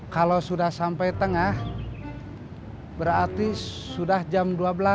kalau sudah sampai tengah berarti sudah jam dua belas